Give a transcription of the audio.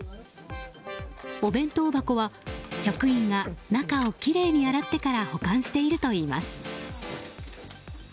お弁当箱は職員が中をきれいに洗ってから保管しているといいます。